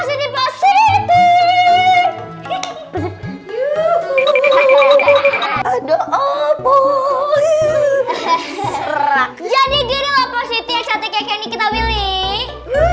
serak jadi gini loh positi yang cantik kayak ini kita pilih